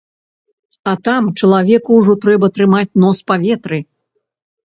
А там, чалавеку ўжо трэба трымаць нос па ветры.